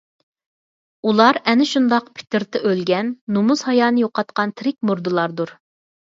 ئۇلار ئەنە شۇنداق پىترىتى ئۆلگەن، نۇمۇس - ھايانى يوقاتقان تىرىك مۇردىلاردۇر.